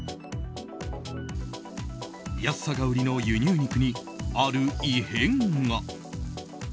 安さが売りの輸入肉にある異変が。